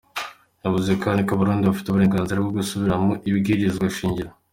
Yavuze kandi ko abarundi bafise uburenganzira bwo gusubiramwo ibwirizwa shingiro.